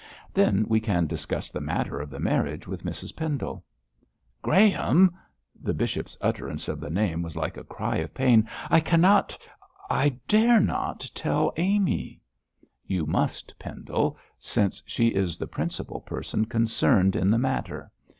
Then we can discuss the matter of the marriage with Mrs Pendle.' 'Graham!' the bishop's utterance of the name was like a cry of pain 'I cannot I dare not tell Amy!' 'You must, Pendle, since she is the principal person concerned in the matter.